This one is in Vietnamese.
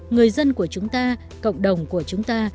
người dân của chúng ta cộng đồng của chúng ta